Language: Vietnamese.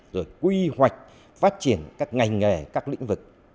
rồi quy hoạch phát triển các ngành nghề các lĩnh vực